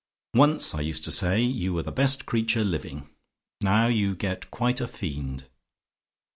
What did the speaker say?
Once, I used to say you were the best creature living; now you get quite a fiend.